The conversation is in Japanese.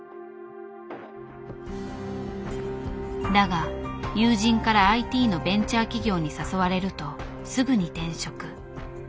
だが友人からＩＴのベンチャー企業に誘われるとすぐに転職。